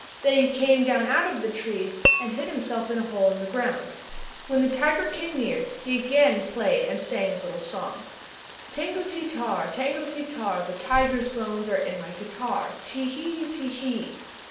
Then he came down out of the trees and hid himself in a hole in the ground. When the tiger came near he again played and sang his little song: "_Tango ti tar, tango ti tar, The tiger's bones are in my guitar. Tee hee, Tee hee.